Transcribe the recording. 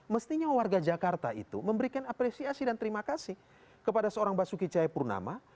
mestinya warga jakarta itu memberikan apresiasi dan terima kasih kepada seorang basuki cahayapurnama